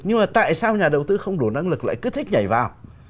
nhưng mà tại sao nhà đầu tư không đủ năng lực lại cứ thích nhảy vào